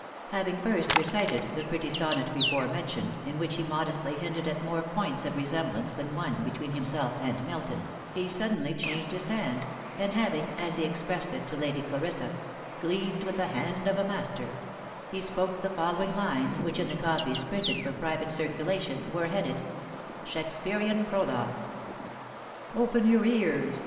Having first recited the pretty sonnet before mentioned, in which he modestly hinted at more points of resemblance than one between him self and Milton, he suddenly changed his hand, and having, as he expressed it to Lady Clarissa, " gleaned with the hand of a master," he spoke the following lines, which in the copies printed for private circulation, were headed " SHAKSPERIAN PROLOGUE. " Open your ears